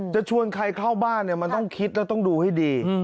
จะชวนใครเข้าบ้านมันต้องคิดแล้วต้องดูให้ดี